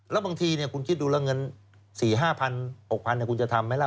แล้วบางทีเนี่ยคุณคิดดูแล้วเงิน๔๕พัน๖พันเนี่ยคุณจะทำไหมล่ะ